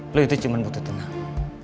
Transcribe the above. lo itu cuma butuh tenang